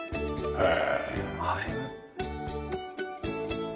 へえ。